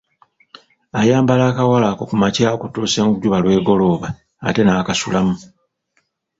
Ayambala akawale ako ku makya okutuusa enjuba lw’egolooba, ate n’akasulamu.